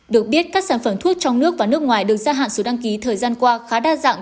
được biết các sản phẩm thuốc trong nước và nước ngoài được gia hạn số đăng ký thời gian qua khá đa dạng